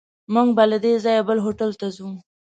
موږ به له دې ځایه بل هوټل ته ځو.